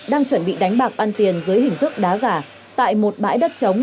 đang chuẩn bị đánh bạc ăn tiền dưới hình thức đá gà tại một bãi đất trống